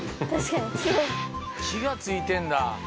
木が付いてんだ。